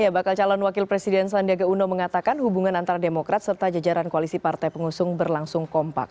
bakal calon wakil presiden sandiaga uno mengatakan hubungan antara demokrat serta jajaran koalisi partai pengusung berlangsung kompak